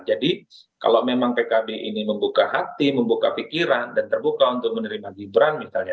jadi kalau memang pkb ini membuka hati membuka pikiran dan terbuka untuk menerima gibran misalnya